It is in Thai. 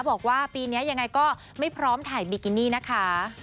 บอกว่าปีนี้ยังไงก็ไม่พร้อมถ่ายบิกินี่นะคะ